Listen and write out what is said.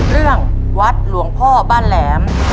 เรื่องวัดหลวงพ่อบ้านแหลม